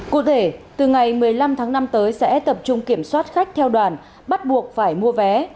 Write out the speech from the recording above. cụ thể từ ngày một mươi năm tháng năm tới sẽ tập trung kiểm soát khách theo đoàn bắt buộc phải mua vé